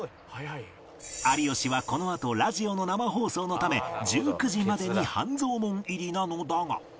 有吉はこのあとラジオの生放送のため１９時までに半蔵門入りなのだが